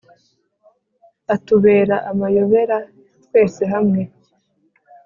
Atubera amayobera twese hamwe